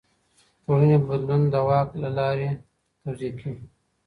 ټولني بدلون د واک له لاري توضيح کيږي.